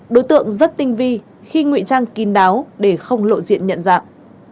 đối tượng rất tinh vi khi ngụy trang kín đáo để không lộ diện nhận dạng